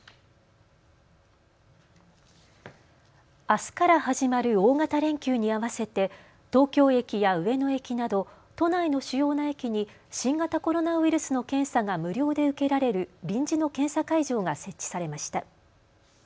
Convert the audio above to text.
あすから始まる大型連休に合わせて東京駅や上野駅など都内の主要な駅に新型コロナウイルスの検査が無料で受けられる臨時の検査会場が設置されました。